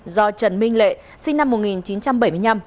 do trần minh lệ sinh năm một nghìn chín trăm bảy mươi năm